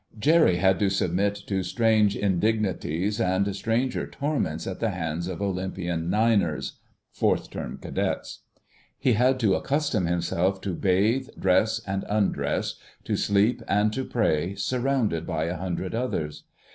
Jerry had to submit to strange indignities and stranger torments at the hands of Olympian "Niners" (Fourth term Cadets). He had to accustom himself to bathe, dress and undress, to sleep and to pray, surrounded by a hundred others.